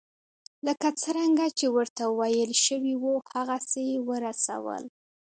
لکه څرنګه چې ورته ویل شوي وو هغسې یې ورسول.